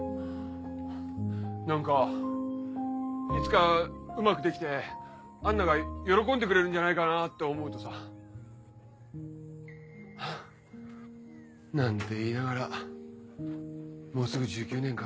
何かいつかうまく出来てアンナが喜んでくれるんじゃないかなって思うとさ。なんて言いながらもうすぐ１９年か。